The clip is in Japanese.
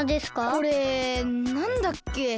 これなんだっけ？